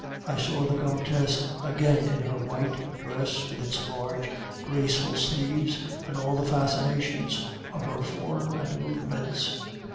I saw the countess again in her white dress with its large graceful sleeves, and all the fascinations of her form and movements.